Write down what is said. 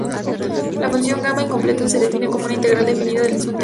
La función gamma incompleta se define como una integral definida del mismo integrando.